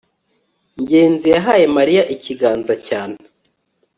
ngenzi yahaye mariya ikiganza cyane